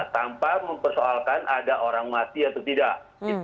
tanpa mempersoalkan ada orang mati atau tidak